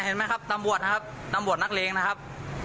นับบทนักเลงนะครับ